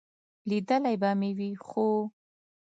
لیدلی به مې وي، خو ...